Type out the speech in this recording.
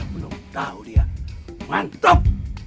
belum tahu dia mantap